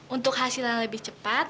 untuk hasil yang lebih cepat